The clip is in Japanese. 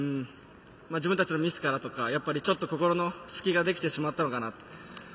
自分たちのミスからとかちょっと、心の隙ができてしまったのかなと。